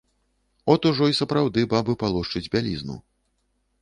От ужо і сапраўды бабы палошчуць бялізну.